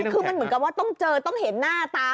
คือมันเหมือนกับว่าต้องเจอต้องเห็นหน้าตา